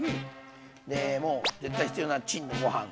でもう絶対必要なチンでご飯。